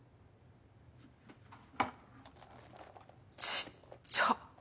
ちっちゃ。